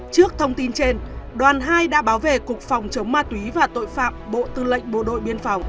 trước thông tin trên đoàn hai đã báo về cục phòng chống ma túy và tội phạm bộ tư lệnh bộ đội biên phòng